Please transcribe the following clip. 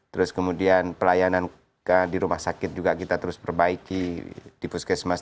terus kemudian pelayanan di rumah sakit juga kita terus perbaiki di puskesmas